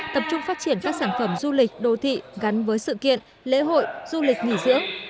tập trung phát triển các sản phẩm du lịch đô thị gắn với sự kiện lễ hội du lịch nghỉ dưỡng